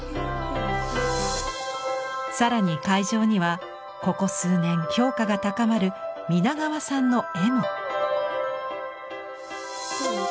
更に会場にはここ数年評価が高まる皆川さんの絵も。